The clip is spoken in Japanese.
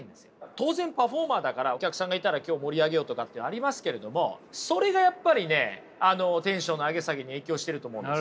当然パフォーマーだからお客さんがいたら今日盛り上げようとかってありますけれどもそれがやっぱりねテンションの上げ下げに影響していると思うんです。